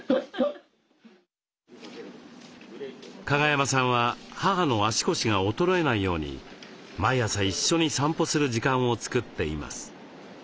加賀山さんは母の足腰が衰えないように毎朝一緒に散歩する時間を作っています。